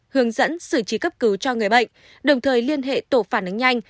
hướng dẫn sử trí cấp cứu cho người bệnh đồng thời liên hệ tổ phản ánh nhanh